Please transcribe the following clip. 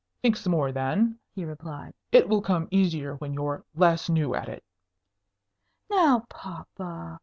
"Think some more, then," he replied. "It will come easier when you're less new at it." "Now, papa!